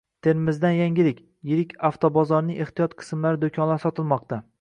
Termizdan yangilik! Yirik avtobozorning ehtiyot qismlari do‘konlari sotilmoqda